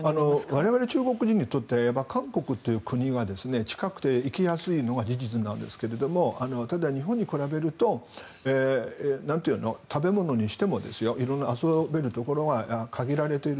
我々、中国人にとって韓国という国は近くて行きやすいのが事実なんですがただ、日本に比べると食べ物にしても色んな遊べるところが限られている。